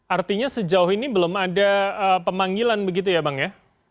artinya sejauh ini belum ada pemanggilan begitu ya bang ya